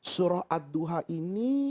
surah ad duha ini